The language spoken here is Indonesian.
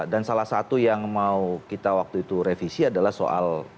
dan salah satu yang mau kita waktu itu revisi adalah soal